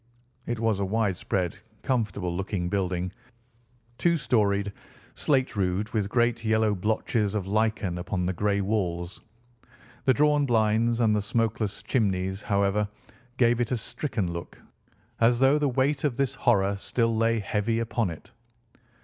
It was a widespread, comfortable looking building, two storied, slate roofed, with great yellow blotches of lichen upon the grey walls. The drawn blinds and the smokeless chimneys, however, gave it a stricken look, as though the weight of this horror still lay heavy upon it.